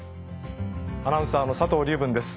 アナウンサーの佐藤龍文です。